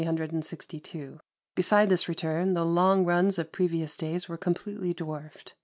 Beside this return the " long runs'' of previous days were 41 completely dwarfed.